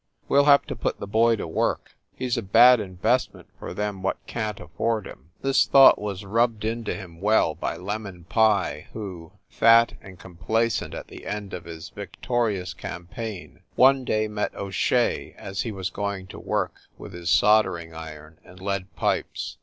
We ll have to put the boy to work ; he s a bad investment for them what can t afford him." This thought was rubbed into him well by "Lem on" Pye who, fat and complacent at the end of his victorious campaign, one day met O Shea as he was going to work with his soldering iron and lead pipes.